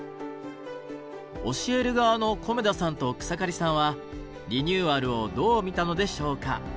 教える側の米田さんと草刈さんはリニューアルをどう見たのでしょうか？